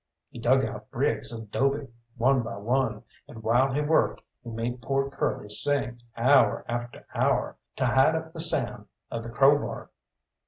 He dug out bricks of 'dobe one by one, and while he worked he made poor Curly sing hour after hour, to hide up the sound of the crowbar.